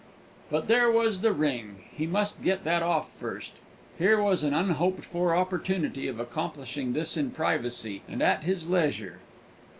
But there was the ring; he must get that off first. Here was an unhoped for opportunity of accomplishing this in privacy, and at his leisure.